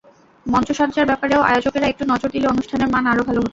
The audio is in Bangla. মঞ্চসজ্জার ব্যাপারেও আয়োজকেরা একটু নজর দিলে অনুষ্ঠানের মান আরও ভালো হতো।